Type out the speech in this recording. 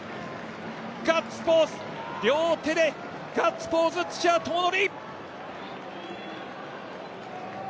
ガッツポーズ、両手でガッツポーズ、土屋智則。